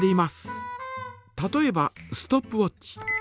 例えばストップウォッチ。